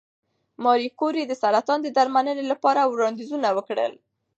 ماري کوري د سرطان د درملنې لپاره وړاندیزونه وکړل.